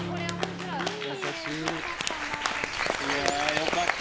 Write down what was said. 良かった。